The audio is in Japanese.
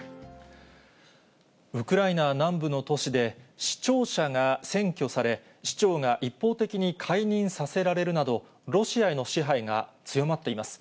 ウクライナ南部の都市で、市庁舎が占拠され、市長が一方的に解任させられるなど、ロシアへの支配が強まっています。